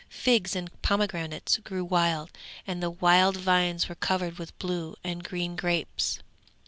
Figs and pomegranates grew wild, and the wild vines were covered with blue and green grapes.